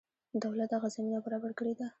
دولت دغه زمینه برابره کړې ده.